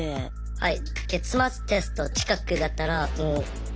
はい。